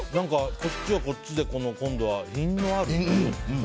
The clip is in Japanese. こっちはこっちで品のある。